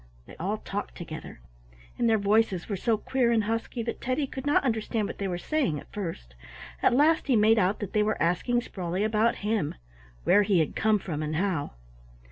They all talked together, and their voices were so queer and husky that Teddy could not understand what they were saying at first. At last he made out that they were asking Sprawley about him, —where he had come from, and how.